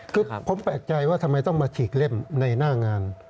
คือผมแปลกใจว่าทำไมต้องมาฉีกเล่มในหน้างาน